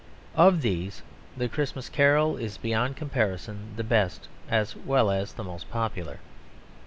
Of these The Christmas Carol is beyond comparison the best as well as the most popular.